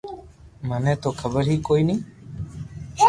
مني تو خبر ھو ڪوئي ني